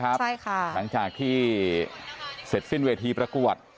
นี่เป็นคลิปสั้นนะคะหลังจากที่สิ้นเวทีประกวด